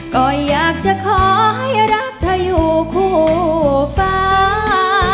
ก็อยากจะขอให้รักเธออยู่คู่ฟ้า